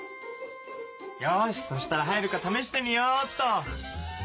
よしそしたら入るかためしてみようっと。